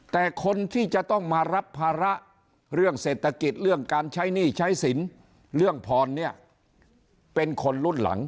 แต่คนที่จะต้องมารับภาระเรื่องเศรษฐกิจเรื่องการใช้หนี้ใช้สินเรื่องพรเนี่ยเป็นคนรุ่นหลัง